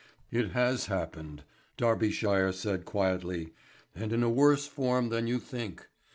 "It has happened," Darbyshire said quietly, "and in a worse form than you think.